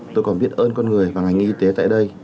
tôi còn biết ơn con người và ngành y tế tại đây